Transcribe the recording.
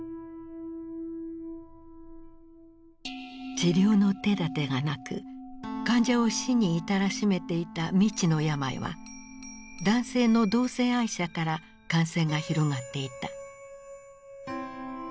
治療の手だてがなく患者を死に至らしめていた未知の病は男性の同性愛者から感染が広がっていた。